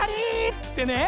ってね。